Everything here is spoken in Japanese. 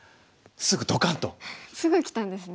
すぐきたんですね。